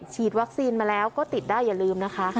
ฉีดวัคซีนมาแล้วก็ติดได้อย่าลืมนะคะ